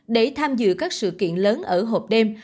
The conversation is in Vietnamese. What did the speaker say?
để tham dự các sự kiện lớn ở hộp đêm